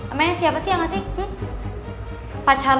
namanya siapa sih yang ngasih